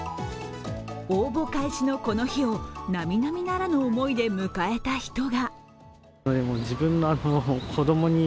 応募開始のこの日をなみなみならぬ思いで迎えた人が。